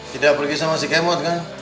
tidak pergi sama si kemot kan